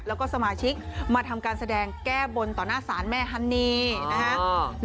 แล้วก็สมาชิกมาทำการแสดงแก้บนต่อหน้าศาลแม่ฮันนี่นะฮะ